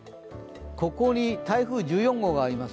ここに台風１４号があります。